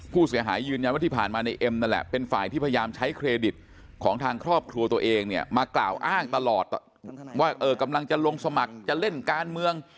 ผู้เสียหายยืนยันว่าที่ผ่านมาในเอ็มนั่นแหละเป็นฝ่ายที่พยายามใช้เครดิตของทางครอบครัวตัวเองเนี่ยมากล่าวอ้างตลอดว่ากำลังจะลงสมัครจะเล่นการเมือง